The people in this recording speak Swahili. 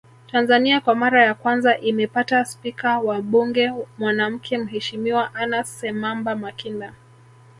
Tanzania kwa mara ya kwanza imepata spika wa mbuge mwanamke Mheshimiwa Anna Semamba Makinda